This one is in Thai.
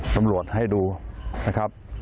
ตำรวจให้ดูนะครับ